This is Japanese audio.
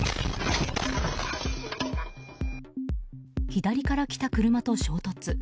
左から来た車と衝突。